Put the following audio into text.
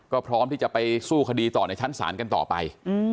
ก็พร้อมที่จะไปสู้คดีต่อในชั้นศาลกันต่อไป